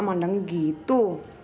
mama pandangnya begitu